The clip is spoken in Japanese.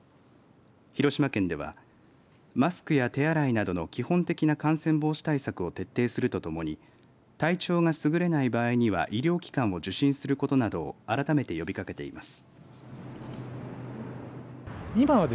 広島県ではマスクや手洗いなどの基本的な感染防止対策を徹底するとともに体調がすぐれない場合には医療機関を受診することなどを改めて呼びかけています。